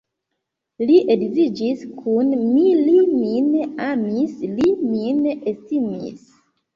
Li edziĝis kun mi, li min amis, li min estimis.